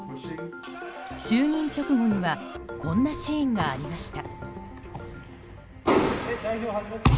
就任直後にはこんなシーンがありました。